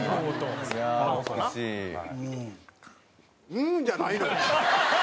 「うん」じゃないのよ！